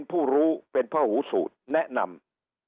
ผู้รู้เป็นพ่อหูสูตรแนะนำ